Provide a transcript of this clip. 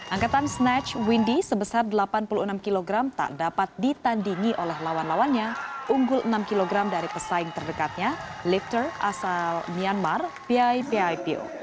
angkatan snatch windy sebesar delapan puluh enam kg tak dapat ditandingi oleh lawan lawannya unggul enam kg dari pesaing terdekatnya lifter asal myanmar p i p i p o